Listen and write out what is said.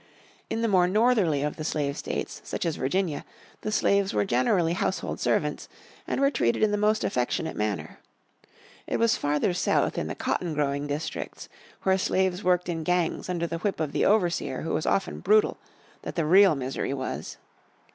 In the more northerly of the slave states, such as Virginia, the slaves were generally household servants, and were treated in the most affectionate manner. It was farther south in the cotton growing districts, where slaves worked in gangs under the whip of the overseer who was often brutal, that the real misery was.